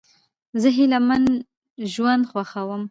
زه هیلهمن ژوند خوښوم.